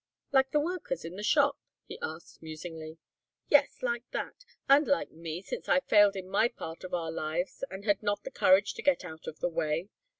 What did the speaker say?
"Like the workers in the shop?" he asked, musingly. "Yes, like that, and like me since I failed in my part of our lives and had not the courage to get out of the way.